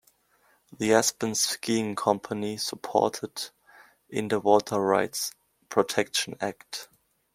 The Aspen Skiing Company supported in the Water Rights Protection Act.